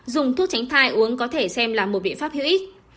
dùng thuốc tránh thai uống có thể xem là một biện pháp hữu ích